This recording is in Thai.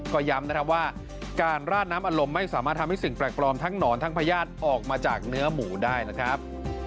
ก็ย้ำนะครับว่าการราดน้ำอารมณ์ไม่สามารถทำให้สิ่งแปลกปลอมทั้งหนอนทั้งพญาติออกมาจากเนื้อหมูได้นะครับ